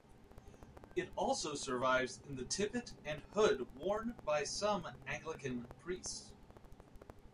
It also survives in the tippet and hood worn by some Anglican priests.